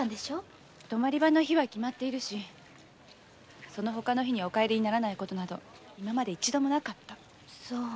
泊まり番の日は決まっているしそのほかの日に帰らない事など今までに一度もなかった。